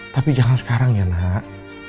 tapi jangan sekarang ya nak